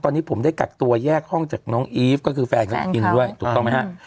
ตอนนี้ผมได้กักตัวแยกห้องจากน้องอีฟก็คือแฟนของอินด้วยถูกต้องไหมฮะ